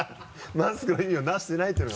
マスクの意味をなしてないっていうのが。